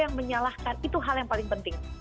yang menyalahkan itu hal yang paling penting